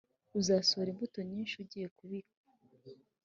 uzasohora imbuto nyinshi ugiye kubiba,